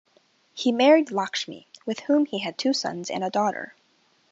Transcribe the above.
He married Lakshmi, with whom he had two sons and a daughter.